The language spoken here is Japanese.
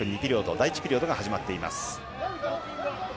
第１ピリオドが始まっています。